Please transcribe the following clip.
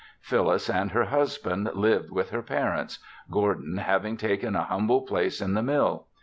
Phyllis and her husband lived with her parents, Gordon having taken a humble place in the mill.